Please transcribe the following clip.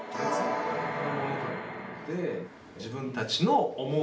自分たちの思う